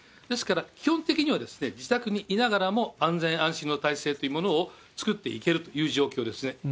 ですから、基本的には自宅にいながらも安全安心の体制というものを作っていけるという状況ですね。